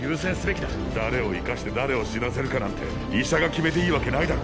誰を生かして誰を死なせるかなんて医者が決めていいわけないだろ。